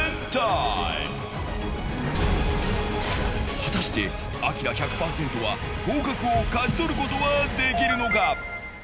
果たしてアキラ１００％は合格を勝ち取ることはできるのか？